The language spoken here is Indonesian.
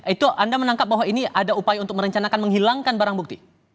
itu anda menangkap bahwa ini ada upaya untuk merencanakan menghilangkan barang bukti